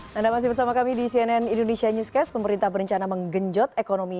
hai anda masih bersama kami di cnn indonesia newscast pemerintah berencana menggenjot ekonomi